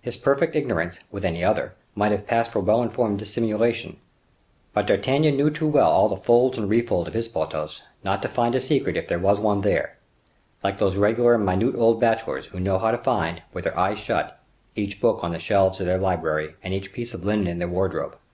His perfect ignorance, with any other, might have passed for well informed dissimulation. But D'Artagnan knew too well all the folds and refolds of his Porthos, not to find a secret if there were one there; like those regular, minute old bachelors, who know how to find, with their eyes shut, each book on the shelves of their library and each piece of linen in their wardrobe.